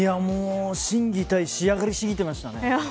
心技体仕上がり過ぎていましたね。